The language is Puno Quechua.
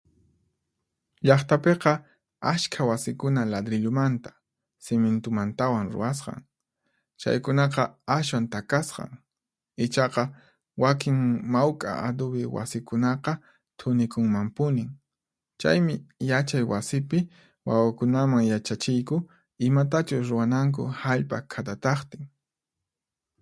Llaqtapiqa ashkha wasikuna ladrillumanta, cimintumantawan ruwasqan, chaykunaqa ashwan takasqan. Ichaqa, wakin mawk'a aduwi wasikunaqa thunikunmanpunin. Chaymi yachay wasipi wawakunaman yachachiyku imatachus ruwananku hallp'a khatataqtin.